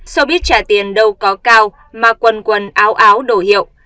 showbiz trả tiền đâu có cao mà quần quần áo áo đổ hiệu